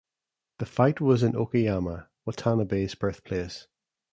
The fight was in Okayama, Watanabe's birthplace.